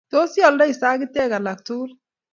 Tos, ioldi sagitek alak tugul?